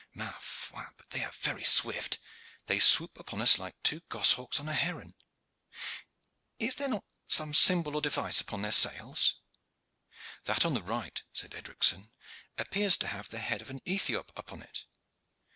Ma foi, but they are very swift! They swoop upon us like two goshawks on a heron. Is there not some symbol or device upon their sails?" "That on the right," said Edricson, "appears to have the head of an Ethiop upon it."